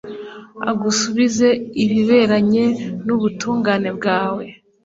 agusubize ibiberanye n'ubutungane bwawe